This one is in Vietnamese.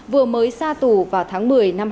vừa mới ra tù vào tháng một mươi năm hai nghìn hai mươi